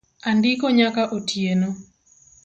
Andiko nyaka otieno